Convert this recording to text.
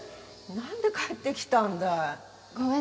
なんで帰ってきたんだい？